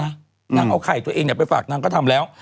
นางเอาไข่ตัวเองไปฝากนางก็ทำแล้ว